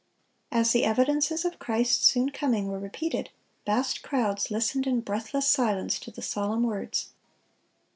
As the evidences of Christ's soon coming were repeated, vast crowds listened in breathless silence to the solemn words.